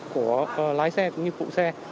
của lái xe cũng như phụ xe